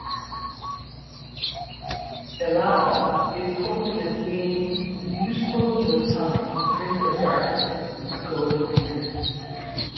Elatha is quoted as being the "beautiful Miltonic prince of darkness with golden hair".